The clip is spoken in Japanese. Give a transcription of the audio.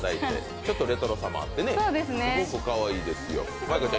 ちょっとレトロさもあってすごくかわいいですよ。